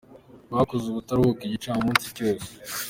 Bakoze ubutaruhuka igicamunsi cyose.